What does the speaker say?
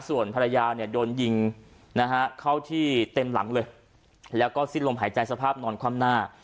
ส่วนภรรยาเนี่ยโดนยิงนะฮะเข้าที่เต็มหลังเลยแล้วก็สิ้นลมหายใจสภาพนอนคว่ำหน้า